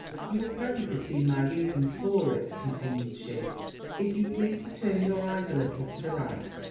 You will presently see my reasons for it,' continued she, 'if you please to turn your eyes a little to the right.'